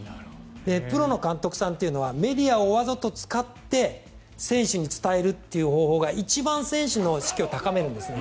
プロの監督さんっていうのはメディアをわざと使って選手に伝えるという方法が一番選手の士気を高めるんですね。